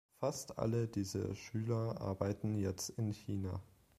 Fast alle diese Schüler arbeiten jetzt in China.